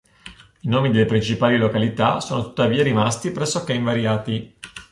I nomi delle principali località sono tuttavia rimasti pressoché invariati.